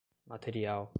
material